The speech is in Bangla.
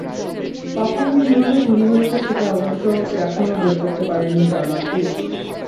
কখন-কীভাবে চুরি হয়েছে সেটা অবশ্য এখনো বের করতে পারেনি জার্মান পুলিশ।